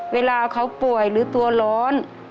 เวลาเขาป่วยหรือตัวร้อน